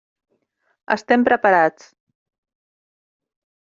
Estem preparats.